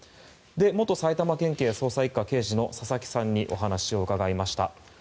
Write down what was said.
元埼玉県警捜査１課刑事の佐々木さんにお話を伺いました。